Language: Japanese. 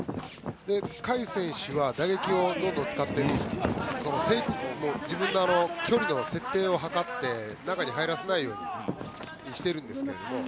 海選手は打撃をどんどん使って自分の距離の設定を図って中に入らせないようにしているんですが。